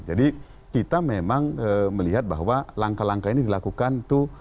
jadi kita memang melihat bahwa langkah langkah ini dilakukan itu